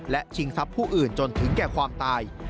และชิงทรัพย์ผู้อื่นจนถึงแก่ความตาย